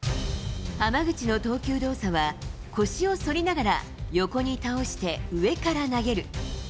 浜口の投球動作は、腰を反りながら横に倒して上から投げる。